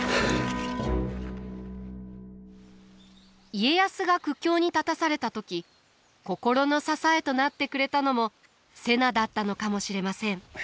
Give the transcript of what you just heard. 家康が苦境に立たされた時心の支えとなってくれたのも瀬名だったのかもしれません。